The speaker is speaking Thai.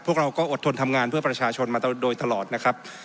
พวกเราก็อดทนทำงานเพื่อประชาชนมาโดยตลอดนะครับ